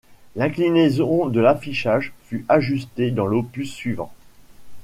L'inclinaison de l'affichage fut ajusté dans l'opus suivant.